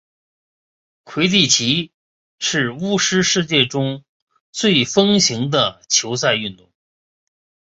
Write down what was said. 魁地奇是巫师世界中最风行的球赛运动。